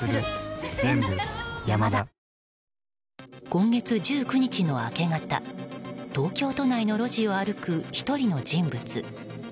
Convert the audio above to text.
今月１９日の明け方東京都内の路地を歩く１人の人物。